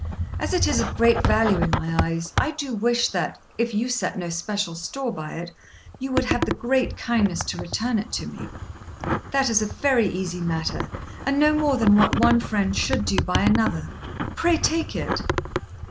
As it is of great value in my eyes, I do wish that, if you set no special store by it, you would have the great kindness to return it to me." "That is a very easy matter, and no more than what one friend should do by another. Pray take it."